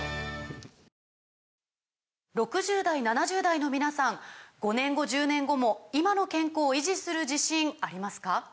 ６０代７０代の皆さん５年後１０年後も今の健康維持する自信ありますか？